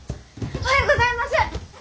おはようございます！